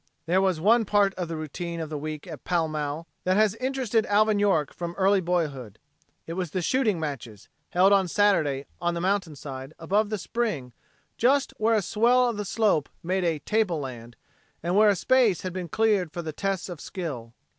There was one part of the routine of the week at Pall Mall that has interested Alvin York from early boyhood. It was the shooting matches, held on Saturday, on the mountainside, above the spring, just where a swell of the slope made a "table land," and where a space had been cleared for these tests of skill.